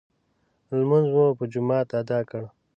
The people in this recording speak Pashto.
لمونځ مو په جماعت ادا کړ.